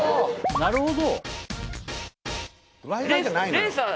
なるほど。